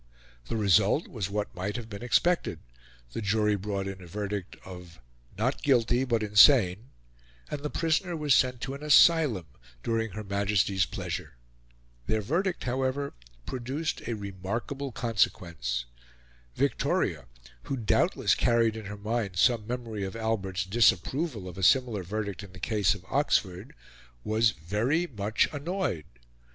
The result was what might have been expected: the jury brought in a verdict of "not guilty, but insane"; and the prisoner was sent to an asylum during Her Majesty's pleasure. Their verdict, however, produced a remarkable consequence. Victoria, who doubtless carried in her mind some memory of Albert's disapproval of a similar verdict in the case of Oxford, was very much annoyed.